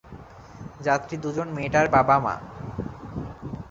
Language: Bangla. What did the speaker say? যাত্রী দুজন মেয়েটার বাবা-মা।